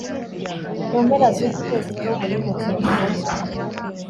mu mpera z'uku kwezi, tom yimukiye mu mujyi